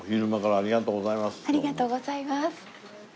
ありがとうございます。